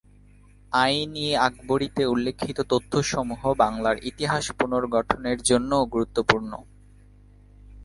আইন-ই-আকবরীতে উল্লিখিত তথ্যসমূহ বাংলার ইতিহাস পুনর্গঠনের জন্যও গুরুত্বপূর্ণ।